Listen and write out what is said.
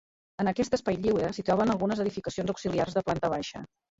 En aquest espai lliure, s'hi troben algunes edificacions auxiliars, de planta baixa.